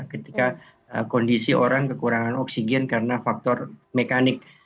ketika kondisi orang kekurangan oksigen karena faktor mekanik